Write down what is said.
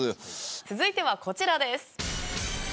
続いてはこちらです。